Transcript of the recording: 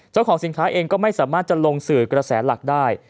เจ้าของสินค้าเองก็ไม่สามารถจะลงสื่อกระแสหลักได้